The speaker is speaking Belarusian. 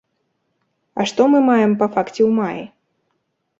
Але што мы маем па факце ў маі?